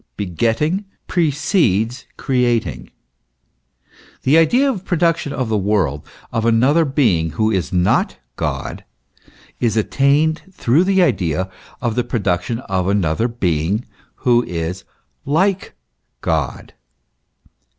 Begetting precedes creating. The idea of the production of the world, of another being who is not God, is attained through the idea of the production of another being who is like God.